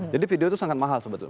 jadi video itu sangat mahal sebetulnya